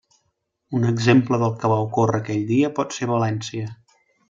Un exemple del que va ocórrer aquell dia pot ser València.